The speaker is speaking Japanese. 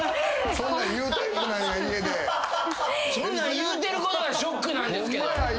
そんなん言うてることがショックなんですけど。